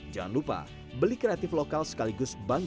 jangan lupa beli kreatif lokal sekaligus bangga buatan diri